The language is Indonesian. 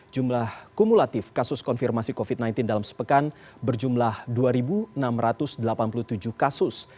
jumlah kumulatif kasus konfirmasi covid sembilan belas dalam sepekan berjumlah dua enam ratus delapan puluh tujuh kasus